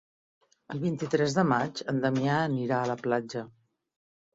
El vint-i-tres de maig en Damià anirà a la platja.